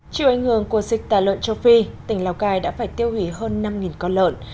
chiều ảnh hưởng của dịch tà lợn châu phi tỉnh lào cai đã phải tiêu hủy hơn năm con lợn